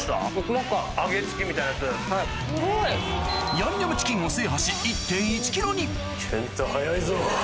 ヤンニョムチキンを制覇し健太早いぞ。